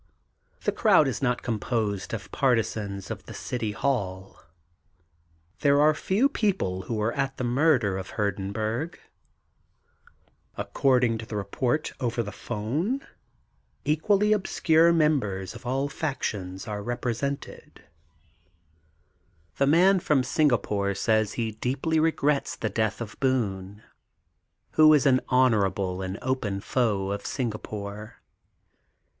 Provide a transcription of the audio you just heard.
The crowd is not composed of parti zans of the City Hall. There are few people who were at the murder of Hurdenburg; ac cording to the report over the phone, equally obscure members of all factions are repre sented. 204 THE GOLDEN BOOK OF SPRINGFIELD The Man from Singapore says he deeply regrets the death of Boone who was an honor able and open foe of Singapore.